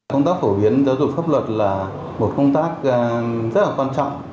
công tác phổ biến giáo dục pháp luật là một công tác rất là quan trọng